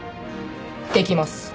できます